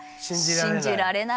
信じられない。